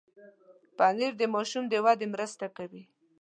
پنېر د ماشوم د ودې مرسته کوي.